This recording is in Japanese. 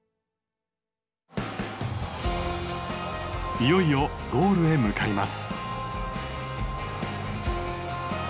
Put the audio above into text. いよいよゴールへ向かいます。